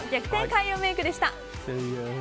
開運メイクでした。